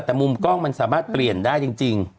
แต่มุมกล้องมันสามารถเปลี่ยนได้จริง